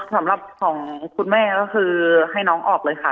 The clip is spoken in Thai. สำหรับของคุณแม่ก็คือให้น้องออกเลยค่ะ